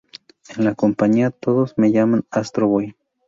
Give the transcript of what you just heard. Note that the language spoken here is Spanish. En la compañía, todos me llaman Astro Boy.